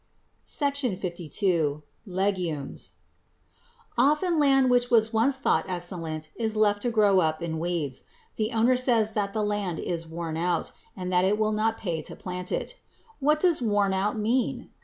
SECTION LII. LEGUMES Often land which was once thought excellent is left to grow up in weeds. The owner says that the land is worn out, and that it will not pay to plant it. What does "worn out" mean?